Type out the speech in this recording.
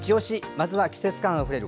まずは季節感あふれる